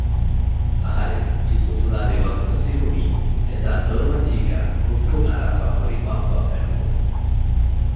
އަހަރެން އިސް އުފުލާލިވަގުތު ސިހުނީ އެތާ ދޮރުމަތީގައި ހުއްޓުން އަރާފައި ހުރި ބައްޕަ ފެނުމުން